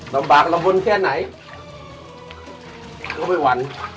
ลำบากลำบลแค่ไหนก็ไม่หวั่น